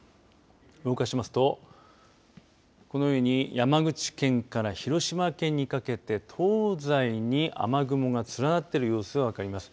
動かしますとこのように山口県から広島県にかけて東西に雨雲が連なっている様子が分かります。